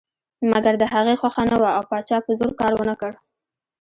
مګر د هغې خوښه نه وه او پاچا په زور کار ونه کړ.